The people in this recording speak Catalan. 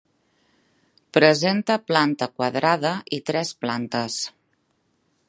Presenta planta quadrada i tres plantes.